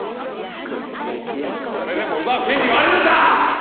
それでも奪う権利はあるのか！